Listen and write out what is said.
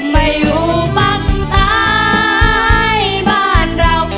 มาอยู่ปังตายบ้านเรา